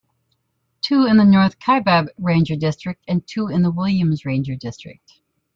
Two in the North Kaibab Ranger District and two in the Williams Ranger District.